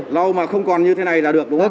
lau mà không còn như thế này là được đúng không